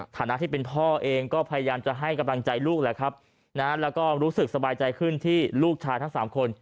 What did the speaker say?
ฐานะที่เป็นพ่อเองก็พยายามจะให้กำลังใจลูกแหละครับนะแล้วก็รู้สึกสบายใจขึ้นที่ลูกชายทั้งสามคน